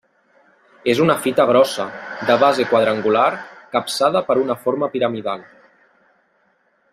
És una fita grossa, de base quadrangular capçada per una forma piramidal.